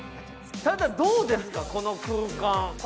どうですか、この空間。